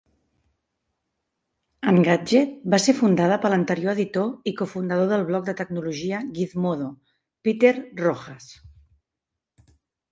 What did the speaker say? Engadget va ser fundada per l'anterior editor i cofundador del blog de tecnologia Gizmodo, Peter Rojas.